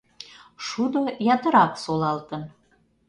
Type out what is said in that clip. Шудо ятырак солалтын